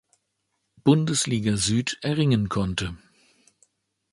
Bundesliga-Süd erringen konnte.